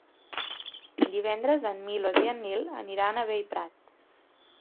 Divendres en Milos i en Nil aniran a Bellprat.